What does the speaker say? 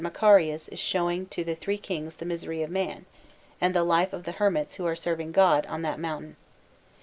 Macarius is showing to three Kings the misery of man, and the life of the hermits who are serving God on that mountain.